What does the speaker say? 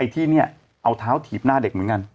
ที่นี่เอาเท้าถีบหน้าเด็กเหมือนกัน